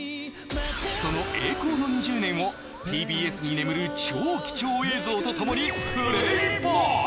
その栄光の２０年をＴＢＳに眠る超貴重映像と共にプレイバック！